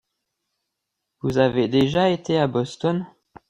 Vous avez déjà été à Boston ?